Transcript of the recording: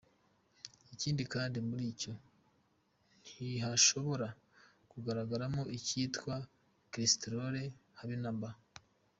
ikindi kandi muri cyo ntihashobora kugaragaramo icyitwa cholesterole habe na mba.